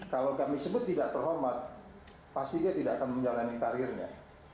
kalau kami sebut tidak terhormat pasti dia tidak akan menjalani karirnya